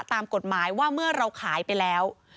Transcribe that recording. ตามกฎหมายว่าเมื่อเราขายไปแล้ว